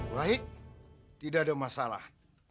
wahid tidak ada masalah